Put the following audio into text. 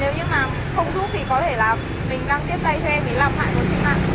nếu như mà không giúp thì có thể là mình đang tiếp tay cho em vì làm hại một số mạng